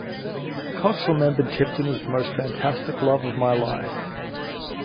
Cox remembered Tipton as the most fantastic love of my life.